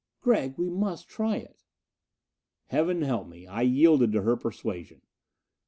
"Gregg, we must try it." Heaven help me, I yielded to her persuasion!